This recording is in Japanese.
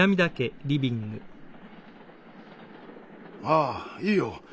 ああいいよ。